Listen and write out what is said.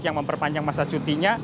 yang memperpanjang masa cutinya